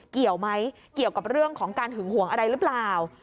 เกี่ยวไหมเกี่ยวกับเรื่องของการหึงห่วงอะไรหรือเปล่า